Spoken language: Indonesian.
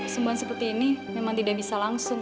sembuhan seperti ini memang tidak bisa langsung